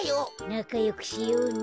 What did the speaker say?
なかよくしようね。